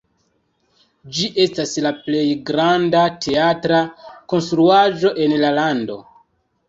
Ĝi estas la plej granda teatra konstruaĵo en la lando.